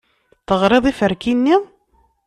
Teɣriḍ iferki-nni?